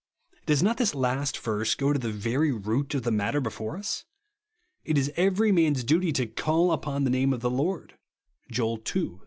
Does not this last verse go to the very root of the matter before us ? It is every man's duty to " call upon the name of the Lord," (Joel ii.